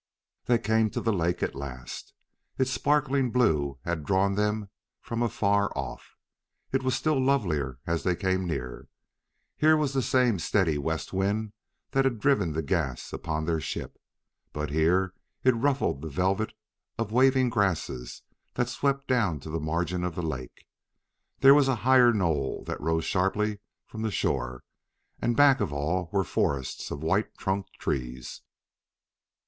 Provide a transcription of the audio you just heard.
They came to the lake at last; its sparkling blue had drawn them from afar off: it was still lovelier as they came near. Here was the same steady west wind that had driven the gas upon their ship. But here it ruffled the velvet of waving grasses that swept down to the margin of the lake. There was a higher knoll that rose sharply from the shore, and back of all were forests of white trunked trees.